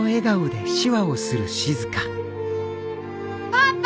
パパ！